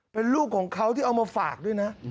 เป็นลูกของเขาที่เอามาฝากด้วยนะ